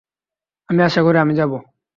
আমি আশা করি আমি যাব।